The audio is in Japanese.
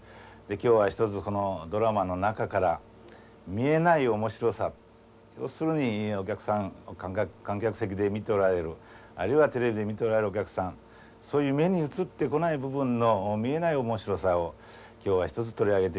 今日はひとつこのドラマの中から見えない面白さ要するにお客さん観客席で見ておられるあるいはテレビで見ておられるお客さんそういう目に映ってこない部分の見えない面白さを今日はひとつ取り上げてみたいと思います。